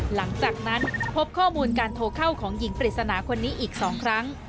หลังจากนั้นพบข้อมูลการโทรเข้าของหญิงปริศนาคนนี้อีก๒ครั้ง